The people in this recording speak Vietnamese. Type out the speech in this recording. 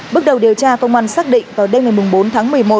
bước đầu điều tra công an xác định vào đêm ngày bốn tháng một mươi một